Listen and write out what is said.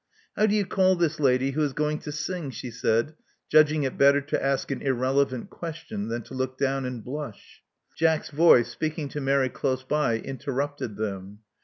How do you call this lady who is going to sing?" she said, judging it better to ask an irrelevant question than to look down and blush. Jack's voice, speaking to Mary close by, interrupted them.